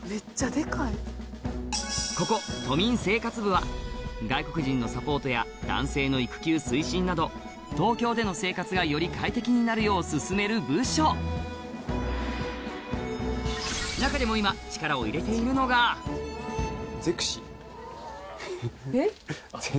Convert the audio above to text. ここ都民生活部は外国人のサポートや男性の育休推進など東京での生活がより快適になるよう進める部署中でも今えっ？